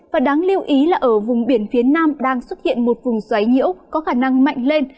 và đáng lưu ý là ở vùng biển phía nam đang xuất hiện một vùng xoáy nhiễu có khả năng mạnh lên